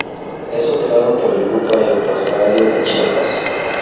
Es operado por el Grupo Aeroportuario de Chiapas.